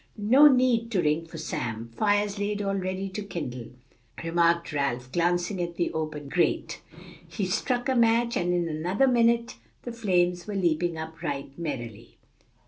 "No need to ring for Sam; fire's laid all ready to kindle," remarked Ralph, glancing at the open grate. He struck a match, and in another minute the flames were leaping up right merrily.